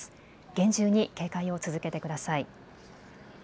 厳重に警戒を続けてください。